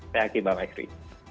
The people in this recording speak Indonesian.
sehat juga mbak maikri